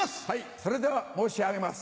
それでは申し上げます。